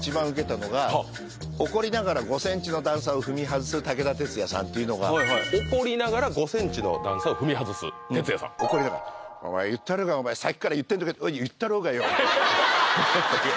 怒りながら５センチの段差を踏み外す武田鉄矢さんっていうのが怒りながら５センチの段差を踏み外す鉄矢さん怒りながら「お前言ったろうがお前さっきから言って言ったろうがよ」